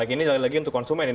ini lagi untuk konsumen ini ya